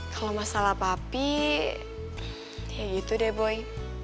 kalau masalah papi ya itu deh boy